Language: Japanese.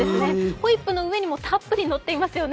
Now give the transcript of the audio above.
ホイップの上にも、たっぷりのっていますよね。